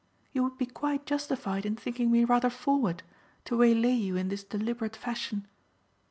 You would be quite justified in thinking me rather forward, to waylay you in this deliberate fashion."